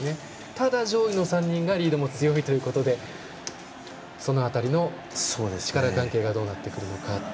ただ、上位の３人がリードも強いということでその辺りの力関係がどうなってくるのかという。